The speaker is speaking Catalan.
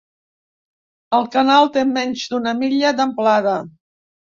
El canal té menys d'una milla d'amplada.